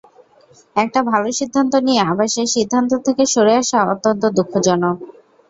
একটা ভালো সিদ্ধান্ত নিয়ে আবার সেই সিদ্ধান্ত থেকে সরে আসা অত্যন্ত দুঃখজনক।